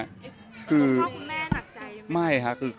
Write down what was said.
คุณพ่อคุณแม่หนักใจไหม